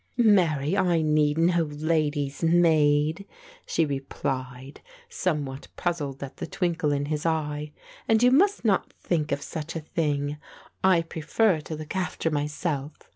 "Marry, I need no lady's maid," she replied, somewhat puzzled at the twinkle in his eye, "and you must not think of such a thing. I prefer to look after myself.